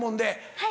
はい。